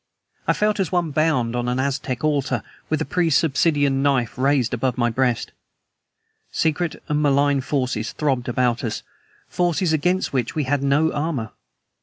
I felt as one bound upon an Aztec altar, with the priest's obsidian knife raised above my breast! Secret and malign forces throbbed about us; forces against which we had no armor.